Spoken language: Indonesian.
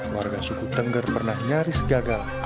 warga suku tengger pernah nyaris gagal